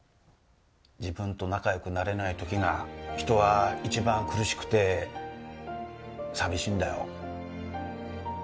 自分と仲良くなれない時が人は一番苦しくて寂しいんだよ。